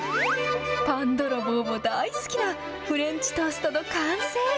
パンどろぼうも大好きなフレンチトーストの完成。